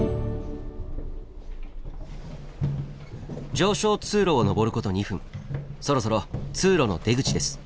上昇通路を上ること２分そろそろ通路の出口です。